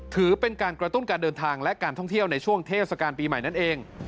ถือเป็นการกระตุ้นการเดินทางและการท่องเที่ยวในช่วงเทศกาลปีใหม่นั่นเอง